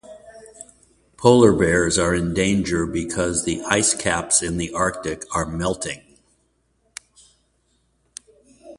Polar bears are in danger because the ice caps in the Arctic are melting.